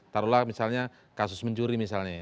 taruhlah misalnya kasus mencuri misalnya ya